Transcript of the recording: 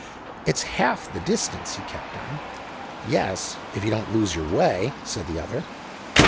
'It's half the distance,' he kept on. 'Yes, if you don't lose your way,' said the other.